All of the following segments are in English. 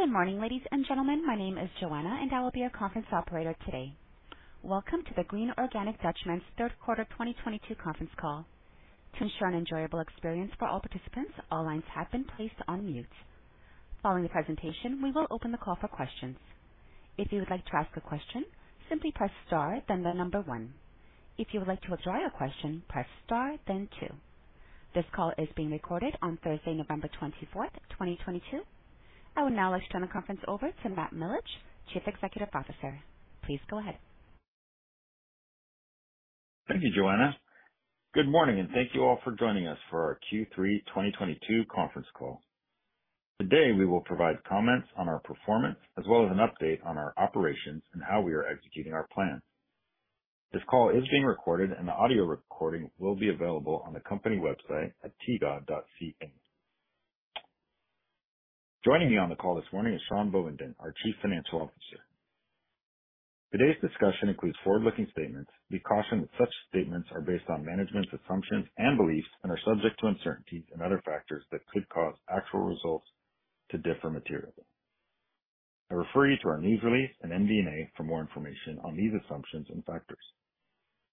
Good morning, ladies and gentlemen. My name is Joanna, and I will be your conference operator today. Welcome to The Green Organic Dutchman's third quarter 2022 conference call. To ensure an enjoyable experience for all participants, all lines have been placed on mute. Following the presentation, we will open the call for questions. If you would like to ask a question, simply press star then the number one. If you would like to withdraw your question, press star then two. This call is being recorded on Thursday, November 24th, 2022. I will now let's turn the conference over to Matt Milich, Chief Executive Officer. Please go ahead. Thank you, Joanna. Good morning, thank you all for joining us for our Q3 2022 conference call. Today, we will provide comments on our performance as well as an update on our operations and how we are executing our plan. This call is being recorded, the audio recording will be available on the company website at tgod.ca. Joining me on the call this morning is Sean Bovingdon, our Chief Financial Officer. Today's discussion includes forward-looking statements. We caution that such statements are based on management's assumptions and beliefs and are subject to uncertainties and other factors that could cause actual results to differ materially. I refer you to our news release and MD&A for more information on these assumptions and factors.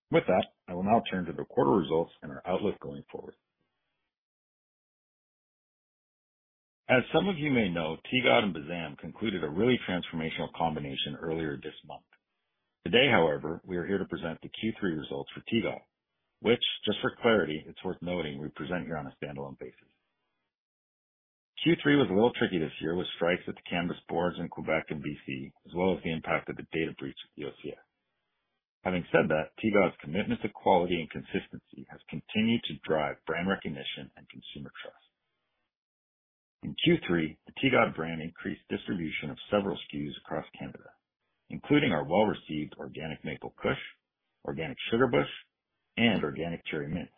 With that, I will now turn to the quarter results and our outlook going forward. As some of you may know, TGOD and BZAM concluded a really transformational combination earlier this month. Today, however, we are here to present the Q3 results for TGOD, which, just for clarity, it's worth noting we present here on a standalone basis. Q3 was a little tricky this year with strikes at the cannabis boards in Quebec and BC, as well as the impact of the data breach at OCS. Having said that, TGOD's commitment to quality and consistency has continued to drive brand recognition and consumer trust. In Q3, the TGOD brand increased distribution of several SKUs across Canada, including our well-received Organic Maple Kush, Organic Sugar Bush, and Organic Cherry Mints.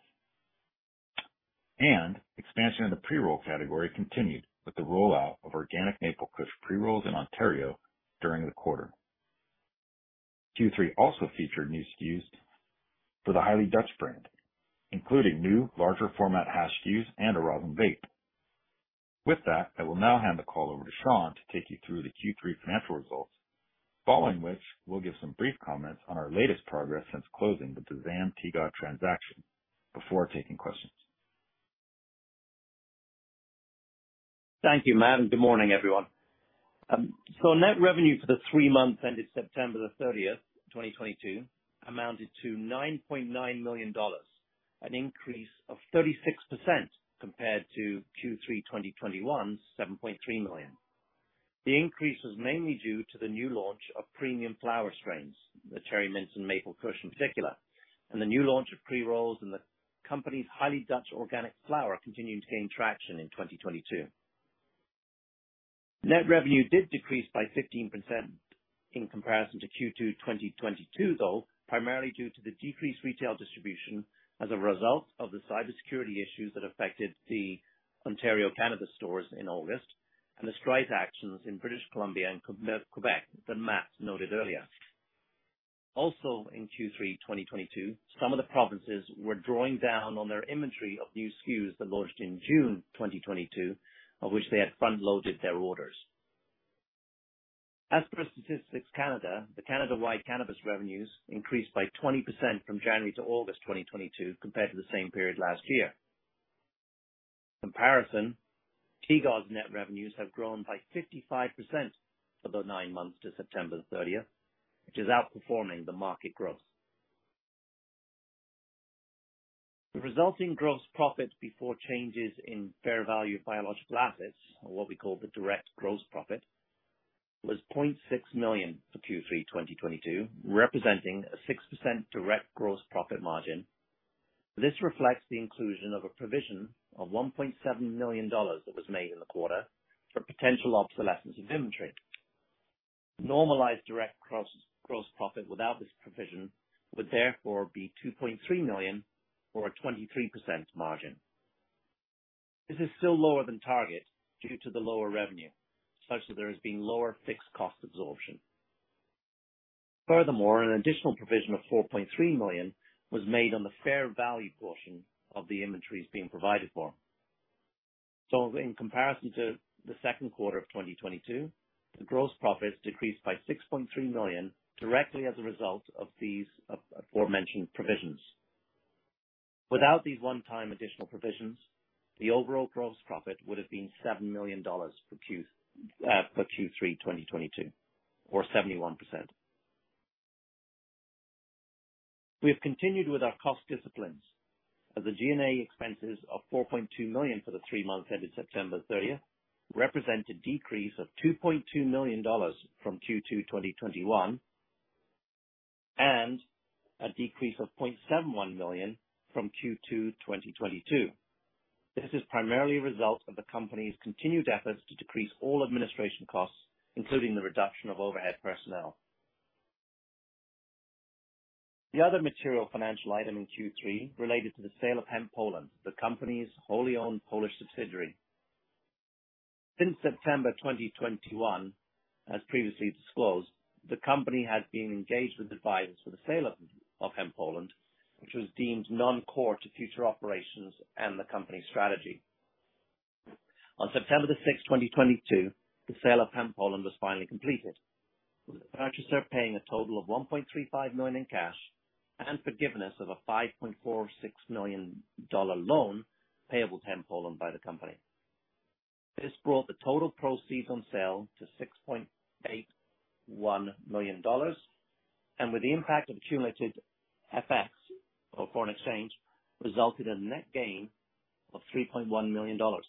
Expansion in the pre-roll category continued with the rollout of Organic Maple Kush pre-rolls in Ontario during the quarter. Q3 also featured new SKUs for the Highly Dutch brand, including new larger format hash SKUs and a rosin vape. With that, I will now hand the call over to Sean to take you through the Q3 financial results, following which we'll give some brief comments on our latest progress since closing the BZAM-TGOD transaction before taking questions. Thank you, Matt, and good morning, everyone. Net revenue for the three months ended September 30, 2022, amounted to 9.9 million dollars, an increase of 36% compared to Q3 2021, 7.3 million. The increase was mainly due to the new launch of premium flower strains, the Cherry Mints and Maple Kush in particular. The new launch of pre-rolls in the company's Highly Dutch organic flower continued to gain traction in 2022. Net revenue did decrease by 15% in comparison to Q2 2022, though primarily due to the decreased retail distribution as a result of the cybersecurity issues that affected the Ontario Cannabis Store in August and the strike actions in British Columbia and Quebec that Matt noted earlier. In Q3 2022, some of the provinces were drawing down on their inventory of new SKUs that launched in June 2022, of which they had front-loaded their orders. As per Statistics Canada, the Canada-wide cannabis revenues increased by 20% from January to August 2022 compared to the same period last year. TGOD's net revenues have grown by 55% for the nine months to September 30th, which is outperforming the market growth. The resulting gross profit before changes in fair value of biological assets, or what we call the Direct Gross Profit, was 0.6 million for Q3 2022, representing a 6% Direct Gross Profit margin. This reflects the inclusion of a provision of 1.7 million dollars that was made in the quarter for potential obsolescence in inventory. Normalized direct gross profit without this provision would therefore be 2.3 million or a 23% margin. This is still lower than target due to the lower revenue, such that there has been lower fixed cost absorption. Furthermore, an additional provision of 4.3 million was made on the fair value portion of the inventories being provided for. In comparison to Q2 2022, the gross profits decreased by 6.3 million directly as a result of these aforementioned provisions. Without these one-time additional provisions, the overall gross profit would have been 7 million dollars for Q3 2022, or 71%. We have continued with our cost disciplines as the G&A expenses of 4.2 million for the three months ended September 30th represent a decrease of 2.2 million dollars from Q2 2021 and a decrease of 0.71 million from Q2 2022. This is primarily a result of the company's continued efforts to decrease all administration costs, including the reduction of overhead personnel. The other material financial item in Q3 related to the sale of HemPoland, the company's wholly owned Polish subsidiary. Since September 2021, as previously disclosed, the company had been engaged with advisors for the sale of HemPoland, which was deemed non-core to future operations and the company's strategy. On September the sixth, 2022, the sale of HemPoland was finally completed, with the purchaser paying a total of 1.35 million in cash and forgiveness of a 5.46 million dollar loan payable to HemPoland by the company. This brought the total proceeds on sale to 6.81 million dollars and with the impact of cumulative FX or foreign exchange, resulted in a net gain of 3.1 million dollars,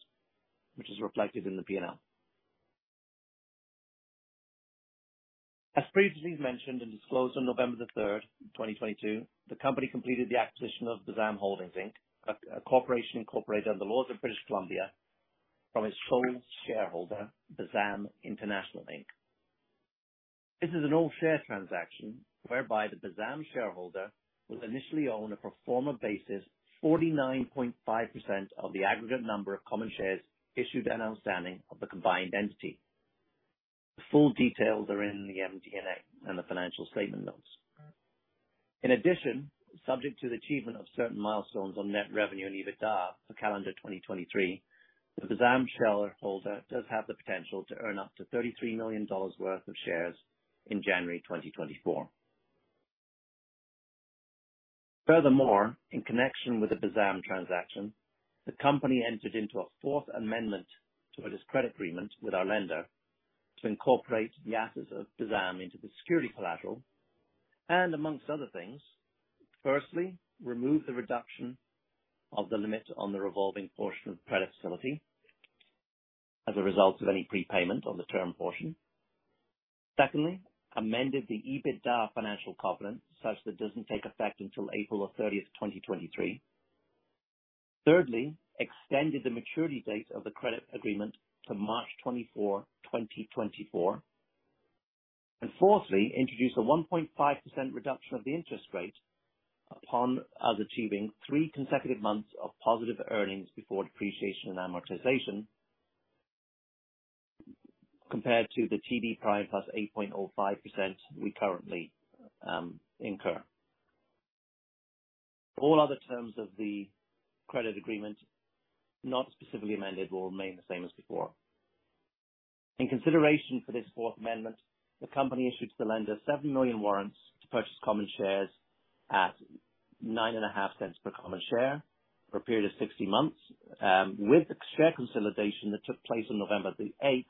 which is reflected in the P&L. As previously mentioned and disclosed on November the third, 2022, the company completed the acquisition of BZAM Holdings Inc., a corporation incorporated under the laws of British Columbia from its sole shareholder, BZAM International, Inc. This is an all-share transaction whereby the BZAM shareholder will initially own a pro forma basis, 49.5% of the aggregate number of common shares issued and outstanding of the combined entity. The full details are in the MD&A and the financial statement notes. In addition, subject to the achievement of certain milestones on net revenue and EBITDA for calendar 2023, the BZAM shareholder does have the potential to earn up to 33 million dollars worth of shares in January 2024. Furthermore, in connection with the BZAM transaction, the company entered into a fourth amendment to its credit agreement with our lender to incorporate the assets of BZAM into the security collateral. Amongst other things, firstly, remove the reduction of the limit on the revolving portion of the credit facility as a result of any prepayment on the term portion. Secondly, amended the EBITDA financial covenant such that doesn't take effect until April the 30th, 2023. Thirdly, extended the maturity date of the credit agreement to March 24, 2024. Fourthly, introduced a 1.5% reduction of the interest rate upon us achieving three consecutive months of positive earnings before depreciation and amortization. Compared to the TD Prime +8.05% we currently incur. All other terms of the credit agreement not specifically amended will remain the same as before. In consideration for this fourth amendment, the company issued the lender 7 million warrants to purchase common shares at $0.095 per common share for a period of 60 months. With the share consolidation that took place on November the 8th,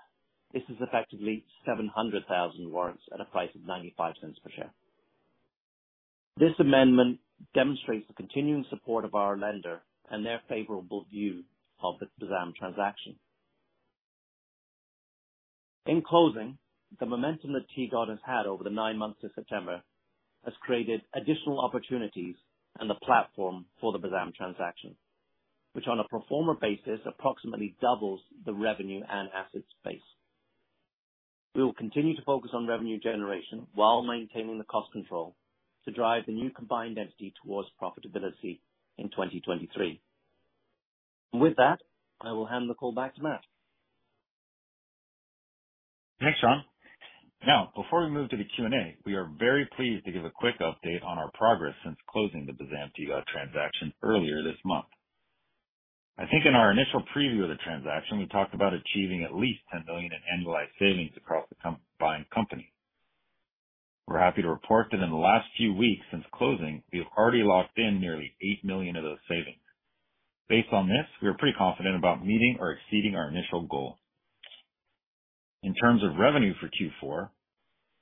this is effectively 700,000 warrants at a price of $0.95 per share. This amendment demonstrates the continuing support of our lender and their favorable view of the BZAM transaction. In closing, the momentum that TGOD has had over the nine months of September has created additional opportunities and the platform for the BZAM transaction, which, on a pro forma basis, approximately doubles the revenue and assets base. We will continue to focus on revenue generation while maintaining the cost control to drive the new combined entity towards profitability in 2023. With that, I will hand the call back to Matt. Thanks, Sean. Before we move to the Q&A, we are very pleased to give a quick update on our progress since closing the BZAM-TGOD transaction earlier this month. I think in our initial preview of the transaction, we talked about achieving at least 10 million in annualized savings across the combined company. We're happy to report that in the last few weeks since closing, we have already locked in nearly 8 million of those savings. Based on this, we are pretty confident about meeting or exceeding our initial goal. In terms of revenue for Q4,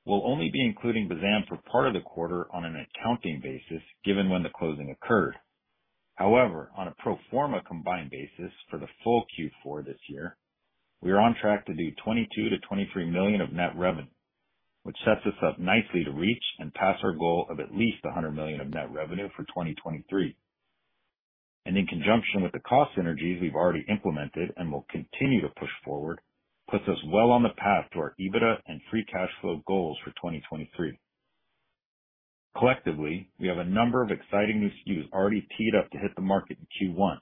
we'll only be including BZAM for part of the quarter on an accounting basis, given when the closing occurred. On a pro forma combined basis for the full Q4 this year, we are on track to do 22 million-23 million of net revenue, which sets us up nicely to reach and pass our goal of at least 100 million of net revenue for 2023. In conjunction with the cost synergies we've already implemented and will continue to push forward, puts us well on the path to our EBITDA and free cash flow goals for 2023. Collectively, we have a number of exciting new SKUs already teed up to hit the market in Q1.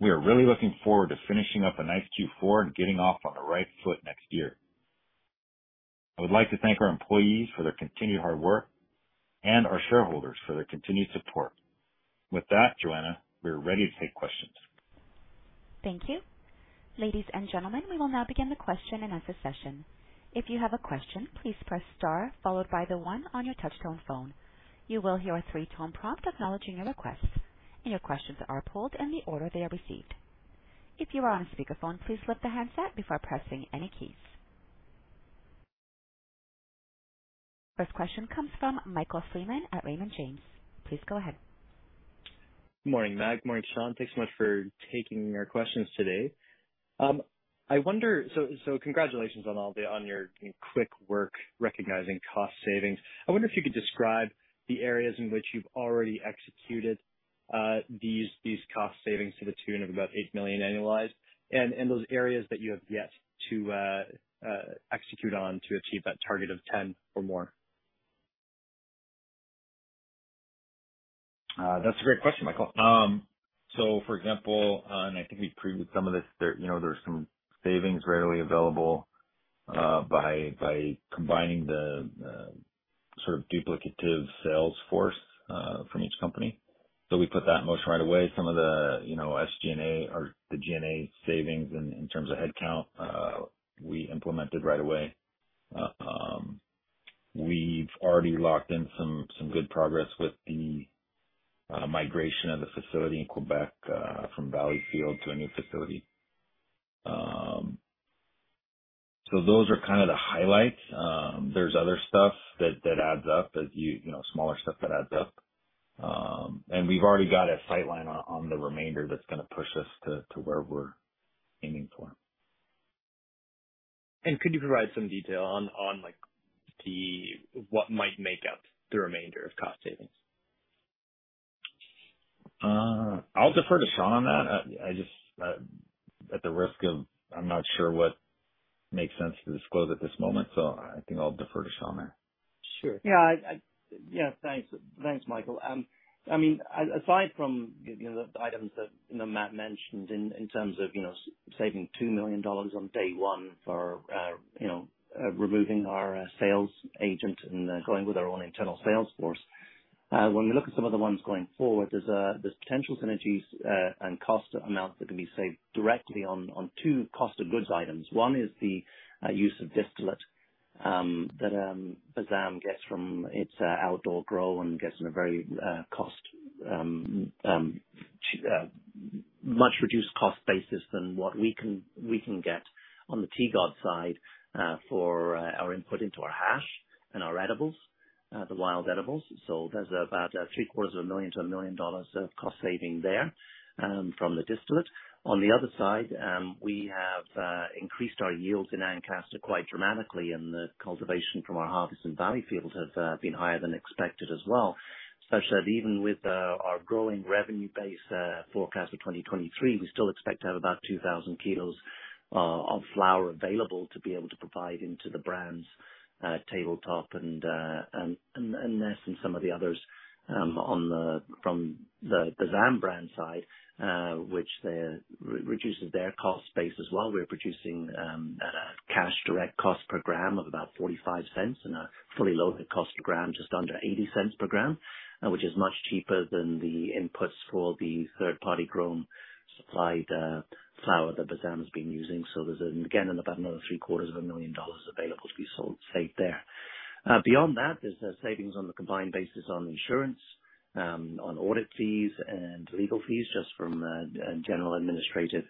We are really looking forward to finishing up a nice Q4 and getting off on the right foot next year. I would like to thank our employees for their continued hard work and our shareholders for their continued support. Joanna, we are ready to take questions. Thank you. Ladies and gentlemen, we will now begin the question and answer session. If you have a question, please press star followed by the one on your touch-tone phone. You will hear a three-tone prompt acknowledging your request, and your questions are pulled in the order they are received. If you are on speakerphone, please lift the handset before pressing any keys. First question comes from Michael Freeman at Raymond James. Please go ahead. Good morning, Matt. Good morning, Sean. Thanks so much for taking our questions today. Congratulations on your quick work recognizing cost savings. I wonder if you could describe the areas in which you've already executed these cost savings to the tune of about 8 million annualized and those areas that you have yet to execute on to achieve that target of 10 or more. That's a great question, Michael. For example, and I think we previewed some of this there, you know, there's some savings readily available by combining the sort of duplicative sales force from each company. We put that in motion right away. Some of the, you know, SG&A or the G&A savings in terms of head count, we implemented right away. We've already locked in some good progress with the migration of the facility in Quebec from Salaberry-de-Valleyfield to a new facility. Those are kind of the highlights. There's other stuff that adds up. You know, smaller stuff that adds up. We've already got a sight line on the remainder that's gonna push us to where we're aiming for. Could you provide some detail on, like, what might make up the remainder of cost savings? I'll defer to Sean on that. I just, I'm not sure what makes sense to disclose at this moment, so I think I'll defer to Sean there. Sure. Yeah. Yeah. Thanks. Thanks, Michael. I mean, aside from, you know, the items that, you know, Matt mentioned in terms of, you know, saving 2 million dollars on day one for, you know, removing our sales agent and going with our own internal sales force. When we look at some of the ones going forward, there's potential synergies and cost amounts that can be saved directly on two COGS items. One is the use of distillate that BZAM gets from its outdoor grow and gets in a very cost much reduced cost basis than what we can get on the TGOD side for our input into our hash and our edibles, the wild edibles. There's about 750,000 to 1 million dollars of cost saving there from the distillate. On the other side, we have increased our yields in Ancaster quite dramatically, and the cultivation from our harvest in Valleyfield have been higher than expected as well. Such that even with our growing revenue base forecast for 2023, we still expect to have about 2,000 kilos of flower available to be able to provide into the brands, TABLE TOP and ness and some of the others from the BZAM brand side, which reduces their cost base as well. We're producing at a cash direct cost per gram of about 0.45 and a fully loaded cost per gram, just under 0.80 per gram, which is much cheaper than the inputs for the third party grown supplied flower that BZAM has been using. There's, again, about another 750,000 dollars available to be sold safe there. Beyond that, there's the savings on the combined basis on insurance, on audit fees and legal fees, just from general administrative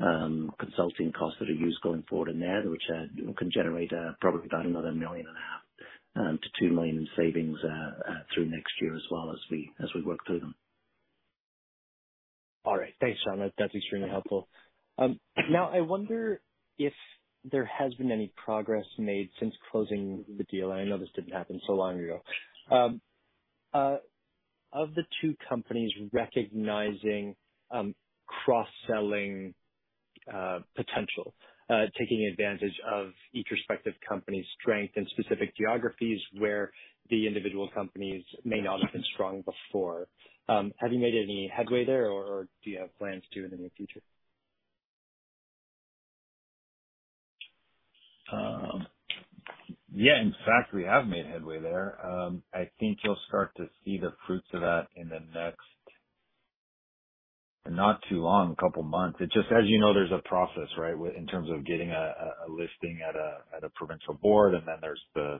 consulting costs that are used going forward in there, which can generate probably about another 1.5 million to 2 million in savings through next year as well as we work through them. All right. Thanks, Sean. That's extremely helpful. Now I wonder if there has been any progress made since closing the deal, I know this didn't happen so long ago. Of the two companies recognizing cross-selling potential, taking advantage of each respective company's strength in specific geographies where the individual companies may not have been strong before, have you made any headway there or do you have plans to in the near future? Yeah. In fact, we have made headway there. I think you'll start to see the fruits of that in the next. Not too long, two months. It's just as you know, there's a process, right. In terms of getting a listing at a provincial board, and then there's the,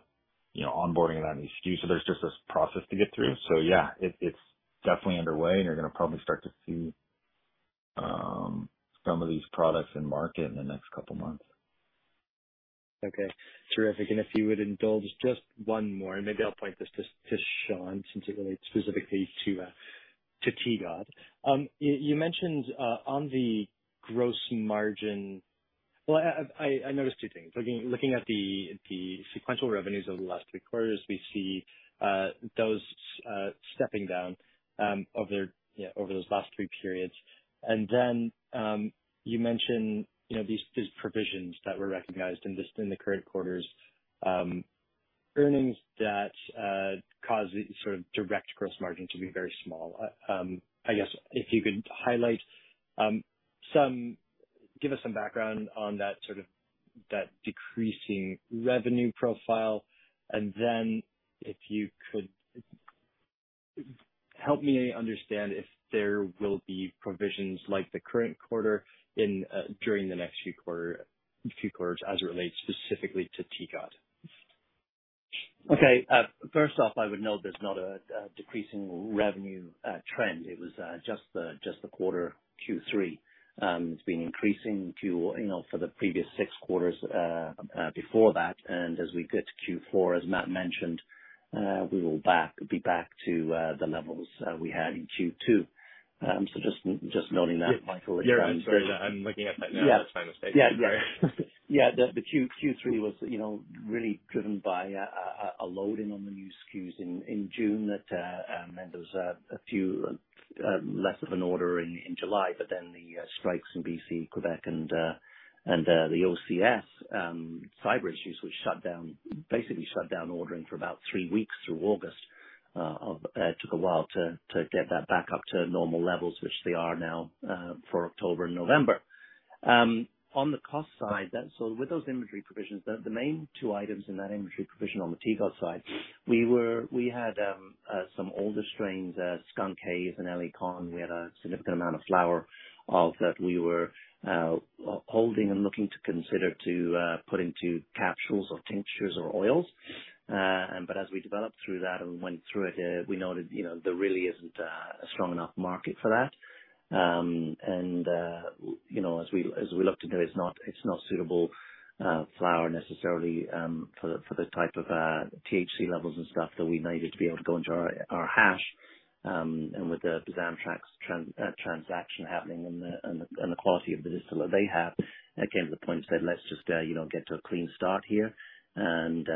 you know, onboarding of that new SKU. There's just this process to get through. Yeah, it's definitely underway, and you're gonna probably start to see some of these products in market in the next two months. Okay. Terrific. If you would indulge just one more, and maybe I'll point this to Sean since it relates specifically to TGOD. You mentioned on the gross margin. Well, I noticed two things. Looking at the sequential revenues over the last three quarters, we see those stepping down over, you know, over those last three periods. Then, you mentioned, you know, these provisions that were recognized in this, in the current quarter's earnings that caused the sort of direct gross margin to be very small. I guess if you could highlight some. Give us some background on that sort of, that decreasing revenue profile, and then if you could help me understand if there will be provisions like the current quarter in, during the next few quarters as it relates specifically to TGOD. Okay. first off, I would note there's not a decreasing revenue trend. It was just the just the quarter Q3. It's been increasing Q, you know, for the previous six quarters before that. As we get to Q4, as Matt mentioned, we will be back to the levels we had in Q2. Just noting that, Michael. Yeah. I'm sorry. I'm looking at that now. Yeah. I was trying to stay. Yeah. Yeah. Yeah. The Q3 was, you know, really driven by a loading on the new SKUs in June that, and there's a few less of an order in July, the strikes in BC, Quebec, and the OCS cyber issues which shut down, basically shut down ordering for about three weeks through August. Took a while to get that back up to normal levels, which they are now for October and November. On the cost side, with those inventory provisions, the main two items in that inventory provision on the TGOD side, we had some older strains, Skunk H and LA Con. We had a significant amount of flower of that we were holding and looking to consider to put into capsules or tinctures or oils. As we developed through that and went through it, we noted, you know, there really isn't a strong enough market for that. You know, as we, as we looked into it's not, it's not suitable flower necessarily, for the, for the type of THC levels and stuff that we needed to be able to go into our hash. With the BZAM-TGOD transaction happening and the quality of the distillate they have, it came to the point and said, "Let's just, you know, get to a clean start here and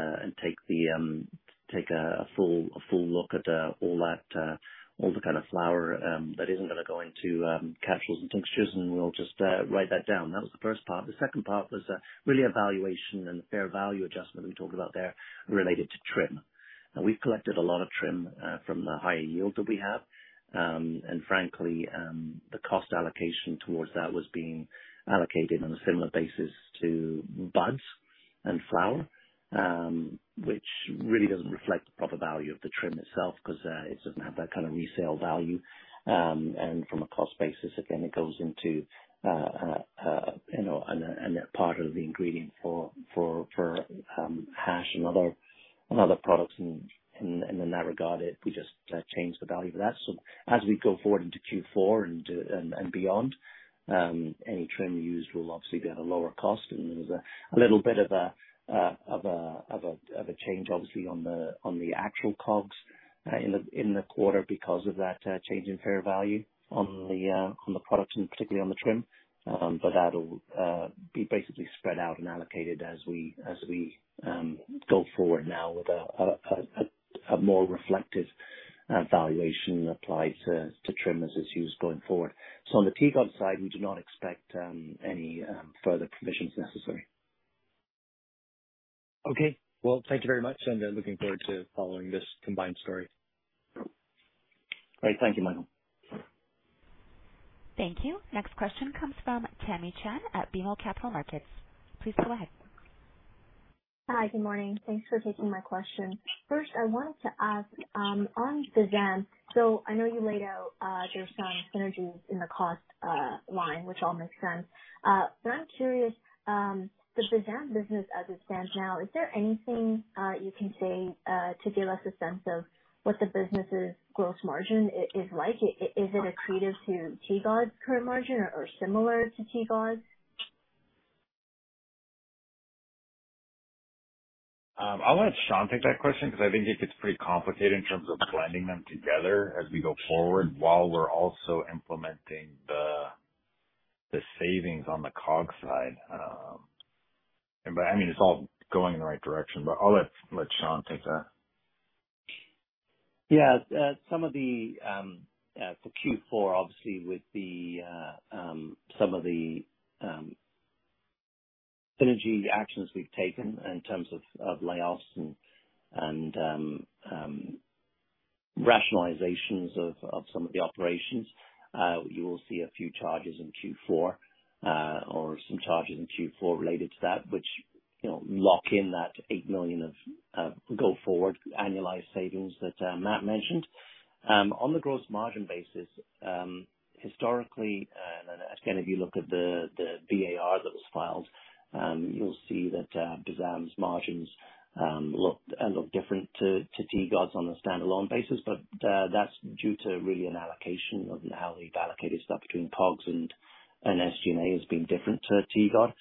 take a full look at all that all the kind of flower that isn't gonna go into capsules and tinctures, and we'll just write that down." That was the first part. The second part was really a valuation and the fair value adjustment we talked about there related to trim. Now we've collected a lot of trim from the higher yields that we have. Frankly, the cost allocation towards that was being allocated on a similar basis to buds and flower, which really doesn't reflect the proper value of the trim itself 'cause it doesn't have that kind of resale value. From a cost basis, again, it goes into, you know, a part of the ingredient for hash and other products. In that regard, we just changed the value of that. As we go forward into Q4 and beyond, any trim used will obviously be at a lower cost. There's a little bit of a change obviously on the actual COGS in the quarter because of that change in fair value on the products and particularly on the trim. That'll be basically spread out and allocated as we go forward now with a more reflective valuation applied to trim as it's used going forward. On the TGOD side, we do not expect any further provisions necessary. Okay. Well, thank you very much, and I'm looking forward to following this combined story. Great. Thank you, Michael. Thank you. Next question comes from Tamy Chen at B. Riley Capital Markets. Please go ahead. Hi. Good morning. Thanks for taking my question. First, I wanted to ask on BZAM. I know you laid out there's some synergies in the cost line, which all makes sense. I'm curious, the BZAM business as it stands now, is there anything you can say to give us a sense of what the business's gross margin is like? Is it accretive to TGOD's current margin or similar to TGOD's? I'll let Sean take that question because I think it gets pretty complicated in terms of blending them together as we go forward, while we're also implementing the savings on the COGS side. I mean, it's all going in the right direction. I'll let Sean take that. Yeah. Some of the for Q4 obviously with the some of the synergy actions we've taken in terms of layoffs and rationalizations of some of the operations, you will see a few charges in Q4 or some charges in Q4 related to that, which, you know, lock in that 8 million of go forward annualized savings that Matt mentioned. On the gross margin basis, historically, and again, if you look at the BAR that was filed, you'll see that BZAM's margins look different to TGOD's on a standalone basis. That's due to really an allocation of how we've allocated stuff between COGS and SG&A as being different to TGOD.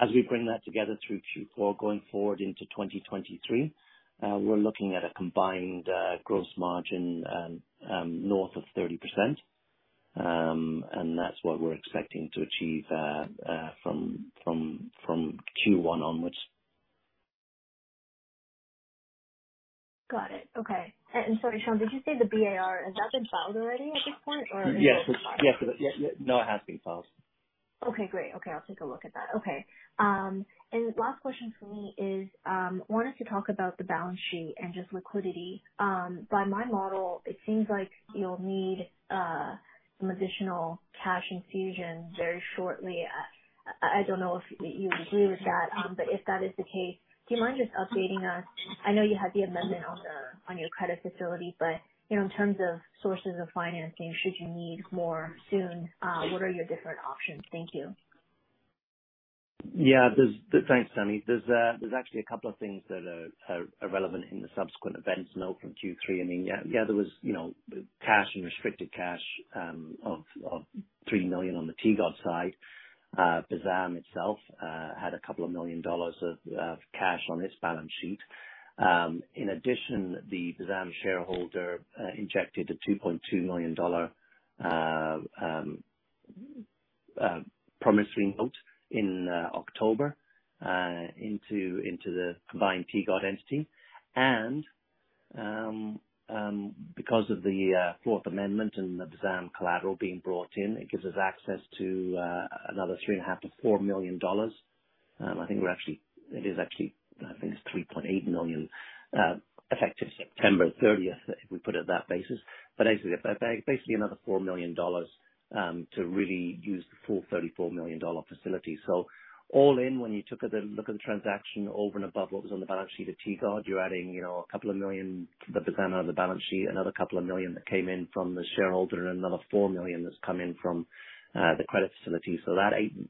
As we bring that together through Q4 going forward into 2023, we're looking at a combined gross margin north of 30%. That's what we're expecting to achieve, from Q1 onwards. Got it. Okay. sorry, Sean, did you say the BAR? Has that been filed already at this point or- Yes. Yes. No, it has been filed. Okay, great. Okay, I'll take a look at that. Okay. Last question from me is, wanted to talk about the balance sheet and just liquidity. By my model, it seems like you'll need some additional cash infusion very shortly. I don't know if you agree with that. If that is the case, do you mind just updating us? I know you had the amendment on the, on your credit facility, but, you know, in terms of sources of financing, should you need more soon, what are your different options? Thank you. Thanks, Tamy. There's actually a couple of things that are relevant in the subsequent events note from Q3. I mean, there was, you know, cash and restricted cash of 3 million on the TGOD side. BZAM itself had a couple of million CAD of cash on its balance sheet. In addition, the BZAM shareholder injected a 2.2 million dollar promissory note in October into the combined TGOD entity. Because of the fourth amendment and the BZAM collateral being brought in, it gives us access to another 3.5 million-4 million dollars. I think it's 3.8 million effective September 30th, if we put it that basis. Basically another $4 million to really use the full $34 million facility. All in when you took a look at the transaction over and above what was on the balance sheet of TGOD, you're adding, you know, $2 million to the of the balance sheet, another $2 million that came in from the shareholder, and another $4 million that's come in from the credit facility.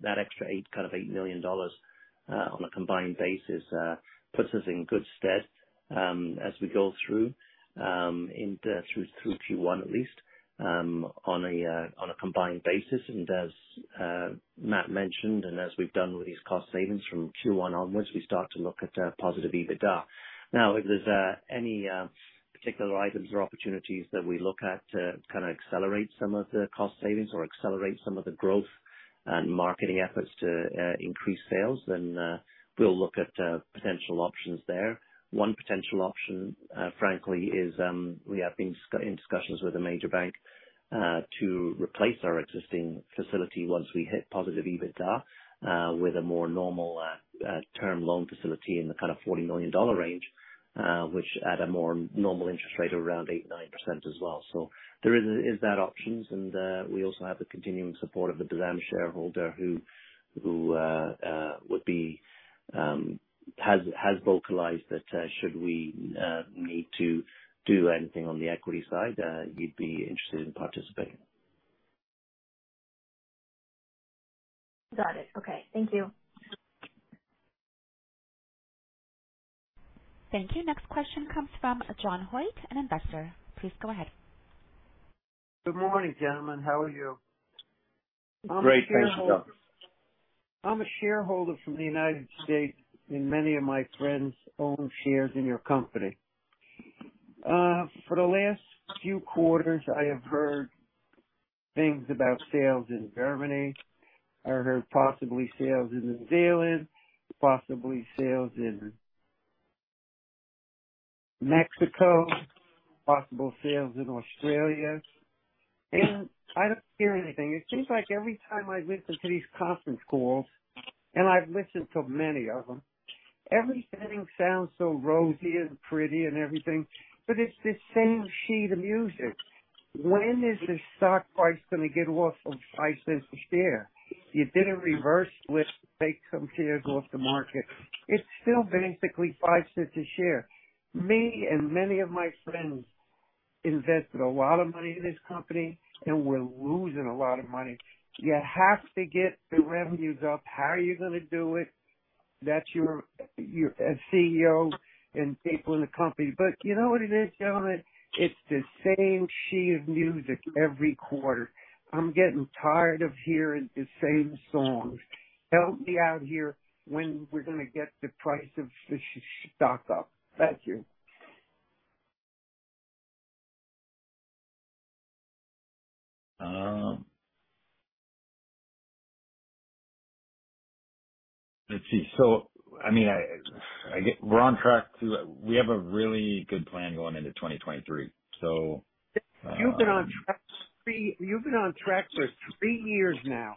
That extra $8 million on a combined basis puts us in good stead as we go through Q1 at least on a combined basis. As Matt mentioned, and as we've done with these cost savings from Q1 onwards, we start to look at positive EBITDA. If there's any particular items or opportunities that we look at to kind of accelerate some of the cost savings or accelerate some of the growth and marketing efforts to increase sales, then we'll look at potential options there. One potential option, frankly is, we have been in discussions with a major bank to replace our existing facility once we hit positive EBITDA with a more normal term loan facility in the kind of 40 million dollar range, which add a more normal interest rate around 8%, 9% as well. There is that options. We also have the continuing support of the BZAM shareholder who has vocalized that should we need to do anything on the equity side, you'd be interested in participating. Got it. Okay. Thank you. Thank you. Next question comes from John Hoyt, an investor. Please go ahead. Good morning, gentlemen. How are you? Great. Thanks, John. I'm a shareholder from the United States, and many of my friends own shares in your company. For the last few quarters, I have heard things about sales in Germany. I heard possibly sales in New Zealand, possibly sales in Mexico, possible sales in Australia. I don't hear anything. It seems like every time I listen to these conference calls, and I've listened to many of them, everything sounds so rosy and pretty and everything, but it's the same sheet of music. When is the stock price gonna get off of 0.05 a share? You did a reverse with fake computers off the market. It's still basically 0.05 a share. Me and many of my friends invested a lot of money in this company, and we're losing a lot of money. You have to get the revenues up. How are you gonna do it? That's your CEO and people in the company. You know what it is, gentlemen? It's the same sheet of music every quarter. I'm getting tired of hearing the same songs. Help me out here when we're gonna get the price of the stock up. Thank you. Let's see. I mean, we have a really good plan going into 2023. You've been on track for three years now.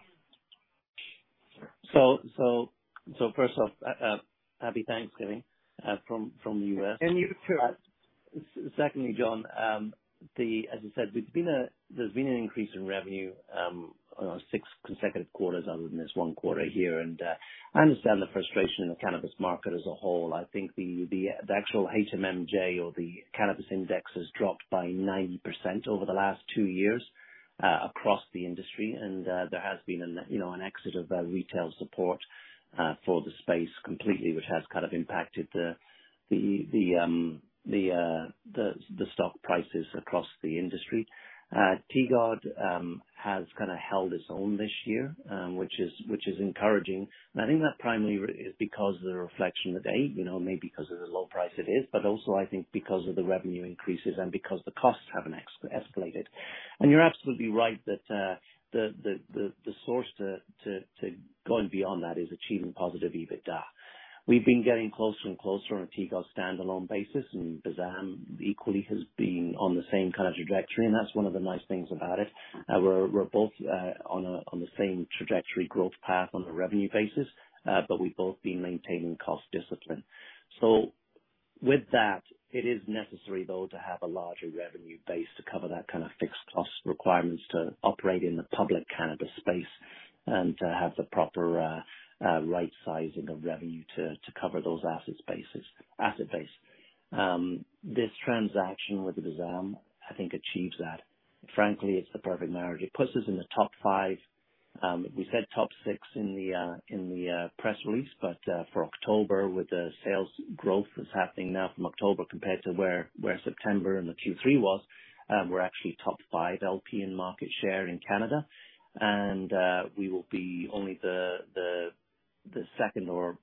First off, Happy Thanksgiving from the U.S. You too. Secondly, John, as you said, there's been an increase in revenue on six consecutive quarters other than this one quarter here. I understand the frustration in the cannabis market as a whole. I think the actual HMMJ or the cannabis index has dropped by 90% over the last two years across the industry. There has been an, you know, an exit of retail support for the space completely, which has kind of impacted the stock prices across the industry. TGOD has kind of held its own this year, which is encouraging. I think that primarily is because of the reflection of the day, you know, maybe because of the low price it is, but also I think because of the revenue increases and because the costs haven't escalated. You're absolutely right that the source to going beyond that is achieving positive EBITDA. We've been getting closer and closer on a TGOD standalone basis, and BZAM equally has been on the same kind of trajectory, and that's one of the nice things about it. We're both on the same trajectory growth path on a revenue basis, but we've both been maintaining cost discipline. With that, it is necessary though to have a larger revenue base to cover that kind of fixed cost requirements to operate in the public cannabis space and to have the proper right sizing of revenue to cover those assets bases, asset base. This transaction with the BZAM, I think achieves that. Frankly, it's the perfect marriage. It puts us in the top five. We said top six in the press release, for October, with the sales growth that's happening now from October compared to September and the Q3 was, we're actually top five LP in market share in Canada. We will be only the second or,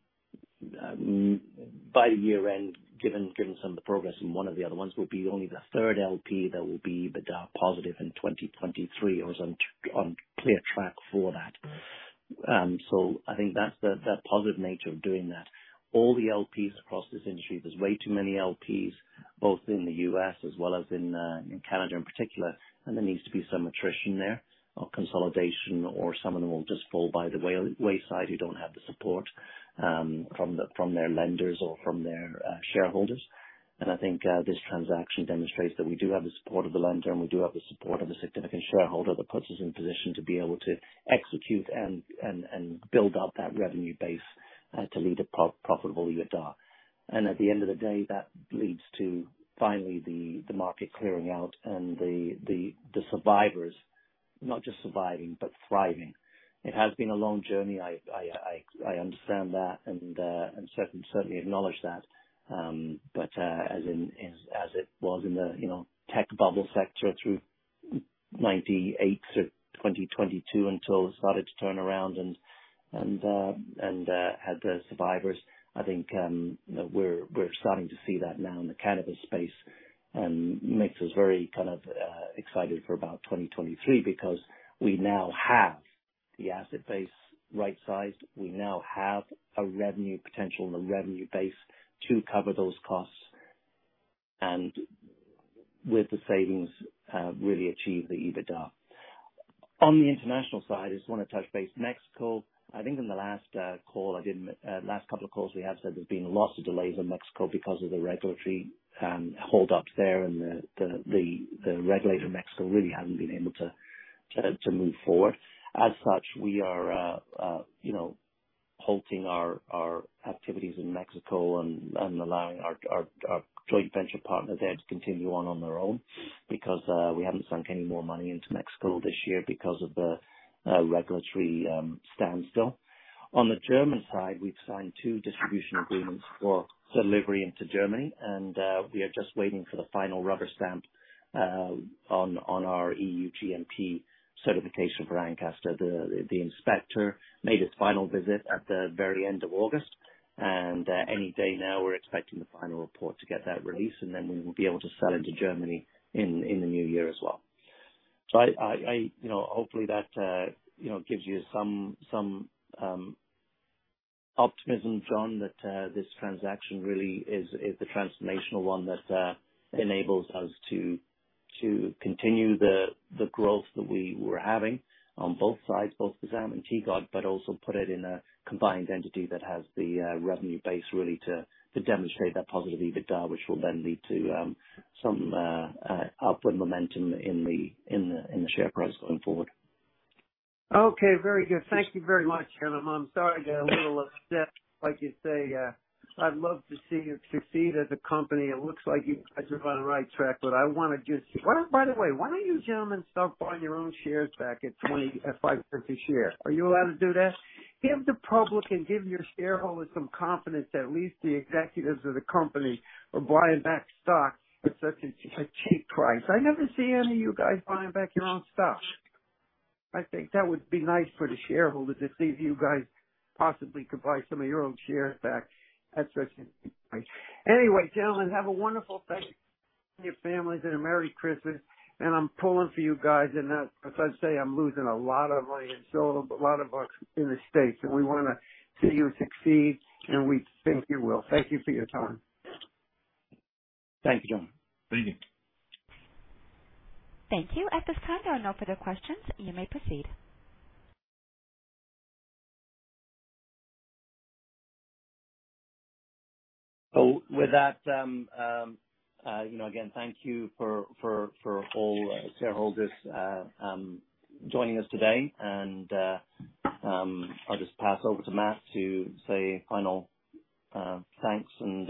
by the year end, given some of the progress and one of the other ones will be only the third LP that will be EBITDA positive in 2023 or is on clear track for that. I think that's the positive nature of doing that. All the LPs across this industry, there's way too many LPs, both in the U.S. as well as in Canada in particular, and there needs to be some attrition there or consolidation, or some of them will just fall by the wayside who don't have the support, from their lenders or from their shareholders. I think this transaction demonstrates that we do have the support of the lender, and we do have the support of a significant shareholder that puts us in position to be able to execute and build up that revenue base to lead a pro-profitable EBITDA. At the end of the day, that leads to finally the market clearing out and the survivors not just surviving, but thriving. It has been a long journey. I understand that and certainly acknowledge that. As it was in the, you know, tech bubble sector through 98 to 2022 until it started to turn around and had the survivors. I think, you know, we're starting to see that now in the cannabis space and makes us very kind of excited for about 2023 because we now have the asset base right size. We now have a revenue potential and the revenue base to cover those costs and with the savings, really achieve the EBITDA. On the international side, I just wanna touch base. Mexico, I think in the last call, last couple of calls, we have said there's been lots of delays in Mexico because of the regulatory holdups there and the regulator Mexico really hasn't been able to move forward. As such, we are, you know, halting our activities in Mexico and allowing our joint venture partner there to continue on their own because we haven't sunk any more money into Mexico this year because of the regulatory standstill. On the German side, we've signed two distribution agreements for delivery into Germany. We are just waiting for the final rubber stamp on our EU GMP certification for Ancaster. The inspector made his final visit at the very end of August. Any day now, we're expecting the final report to get that release. Then we will be able to sell into Germany in the new year as well. I... You know, hopefully that, you know, gives you some optimism, John, that this transaction really is the transformational one that enables us to continue the growth that we were having on both sides, both BZAM and TGOD, but also put it in a combined entity that has the revenue base really to demonstrate that positive EBITDA, which will then lead to some upward momentum in the share price going forward. Okay, very good. Thank you very much, Sean. I'm sorry to get a little upset. Like you say, I'd love to see you succeed as a company. It looks like you guys are on the right track. Well, by the way, why don't you gentlemen start buying your own shares back at 5.50 a share? Are you allowed to do that? Give the public and give your shareholders some confidence that at least the executives of the company are buying back stock at such a cheap price. I never see any of you guys buying back your own stock. I think that would be nice for the shareholders to see if you guys possibly could buy some of your own shares back at such a cheap price. Gentlemen, have a wonderful thank your families and a merry Christmas, and I'm pulling for you guys. As I say, I'm losing a lot of money and so a lot of bucks in this space. We wanna see you succeed, and we think you will. Thank you for your time. Thank you, John. Thank you. At this time, there are no further questions. You may proceed. With that, you know, again, thank you for all shareholders joining us today. I'll just pass over to Matt to say final thanks and.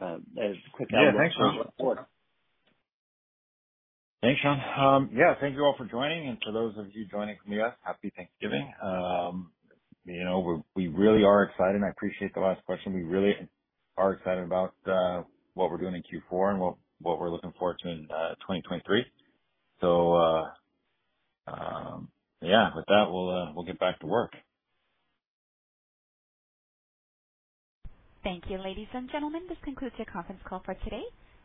Yeah. Thanks, Sean. Word. Thanks, Sean. Thank you all for joining. For those of you joining from U.S., Happy Thanksgiving. You know, we're, we really are excited, and I appreciate the last question. We really are excited about what we're doing in Q4 and what we're looking forward to in 2023. With that, we'll get back to work. Thank you, ladies and gentlemen. This concludes your conference call for today.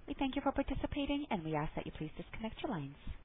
We thank you for participating, and we ask that you please disconnect your lines